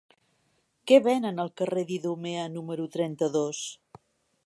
Què venen al carrer d'Idumea número trenta-dos?